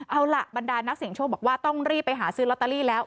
เอาล่ะบรรดานักเสียงโชคบอกว่าต้องรีบไปหาซื้อลอตเตอรี่แล้ว